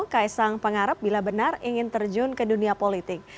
kaisang pengarap bila benar ingin terjun ke dunia politik